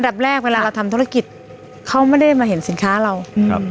แรกเวลาเราทำธุรกิจเขาไม่ได้มาเห็นสินค้าเราครับ